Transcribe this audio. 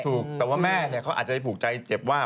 ถูกแต่ว่าแม่เนี่ยเขาอาจจะไปผูกใจเจ็บว่า